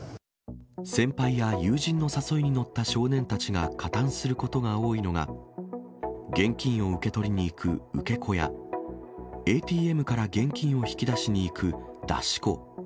先輩や友人の誘いに乗った少年たちが加担することが多いのが、現金を受け取りに行く受け子や、ＡＴＭから現金を引き出しに行く出し子。